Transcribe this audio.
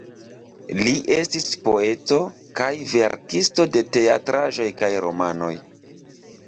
Li estis poeto, kaj verkisto de teatraĵoj kaj romanoj.